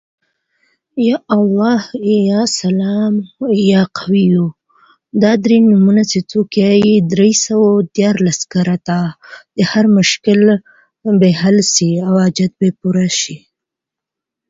د انترنيوز لخوا هم راډيو گانې جوړې او خپرونې كوي.